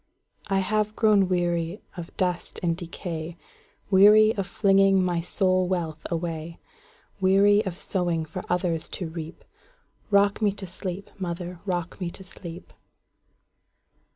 I have grown weary of dust and decay,—Weary of flinging my soul wealth away; Weary of sowing for others to reap;—Rock me to sleep, mother,—rock me to sleep!